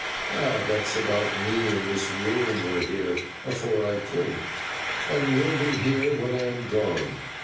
Aw that's now about me in this room were heer afore I coom, an' will be heer when I am gone.